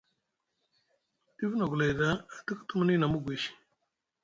Ɗif na gulay ɗa a tikiti muni na mugwi.